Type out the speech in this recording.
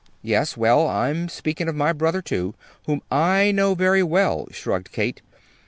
"Yes; well, I'm speaking of my brother, too, whom I know very well," shrugged Kate.